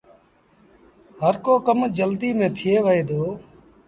هر ڪو ڪم جلديٚ نيٚن ٿئي وهي دو۔